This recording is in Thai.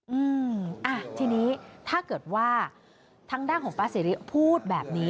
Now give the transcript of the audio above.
อืมอ่ะทีนี้ถ้าเกิดว่าทางด้านของป้าสิริพูดแบบนี้